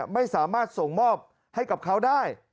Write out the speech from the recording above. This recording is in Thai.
ไม่สามารถส่งมอบให้กับเขาได้